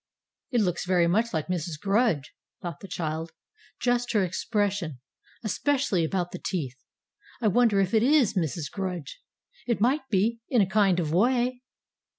"It looks very much like Mrs. Grudge!" thought the child. "Just her expression especially about the teeth! I wonder if it IS Mrs. Grudge! It might be, in a kind of way."